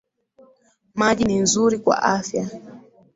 Maji ni nzuri kwa afya